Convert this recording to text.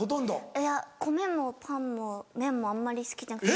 いや米もパンも麺もあんまり好きじゃなくて。